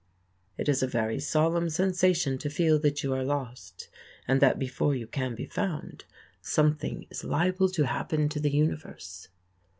It is a very solemn sensation to feel that you are lost, and that before you can be found something is liable to happen to the universe.